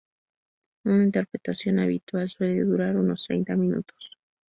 Una interpretación habitual suele durar unos treinta minutos.